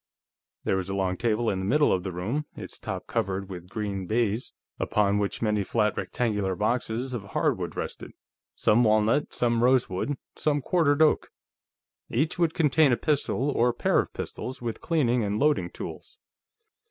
There was a long table in the middle of the room, its top covered with green baize, upon which many flat rectangular boxes of hardwood rested some walnut, some rosewood, some quartered oak. Each would contain a pistol or pair of pistols, with cleaning and loading tools.